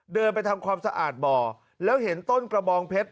เดินไปทำความสะอาดบ่อแล้วเห็นต้นกระบองเพชร